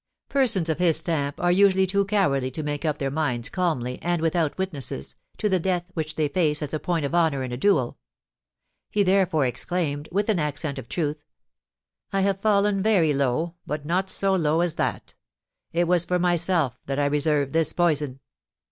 Persons of his stamp are usually too cowardly to make up their minds calmly, and without witnesses, to the death which they face as a point of honour in a duel. He therefore exclaimed, with an accent of truth: "I have fallen very low, but not so low as that. It was for myself that I reserved this poison."